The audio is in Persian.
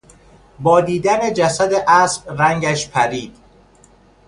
با دیدن جسد اسب رنگش پرید.